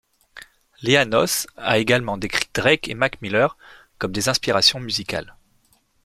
Leanos a également décrit Drake et Mac Miller comme des inspirations musicales.